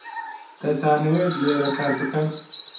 دەتانەوێت لێرە کار بکەن؟